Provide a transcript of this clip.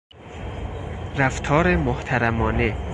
رفتار محترمانه